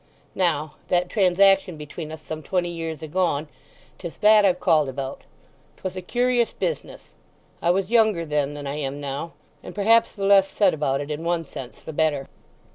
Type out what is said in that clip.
Now—that transaction between us some twenty years agone—'tis that I've called about. 'Twas a curious business. I was younger then than I am now, and perhaps the less said about it, in one sense, the better."